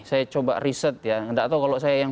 saya coba riset ya nggak tahu kalau saya yang